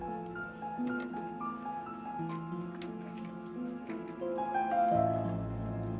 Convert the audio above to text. gak akan makan